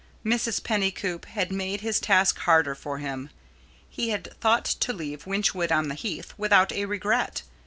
Mrs. Pennycoop had made his task harder for him. He had thought to leave Wychwood on the Heath without a regret.